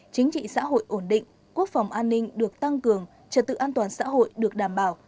chính trị xã hội ổn định quốc phòng an ninh được tăng cường trật tự an toàn xã hội được đảm bảo